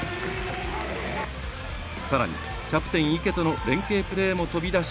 さらに、キャプテン池との連係プレーも飛び出し